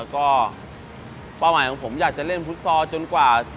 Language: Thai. ก็เป้าหมายของผมอยากจะเล่นฟุตซอลจนกว่า